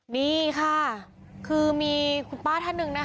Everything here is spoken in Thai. นี่ค่ะคือมีคุณป้าท่านหนึ่งนะคะ